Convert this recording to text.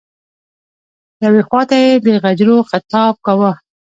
یوې خواته یې د غجرو خطاب کاوه.